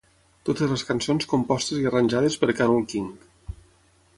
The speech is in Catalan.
Totes les cançons compostes i arranjades per Carole King.